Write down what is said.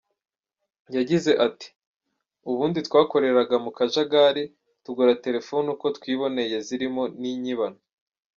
Yagize ati “Ubundi twakoreraga mu kajagari, tugura telefone uko twiboneye zirimo n’inyibano.